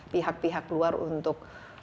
pihak pihak luar untuk